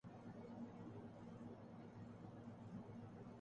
ایک فیکٹری تھی جو بھٹو صاحب نے ضبط کی۔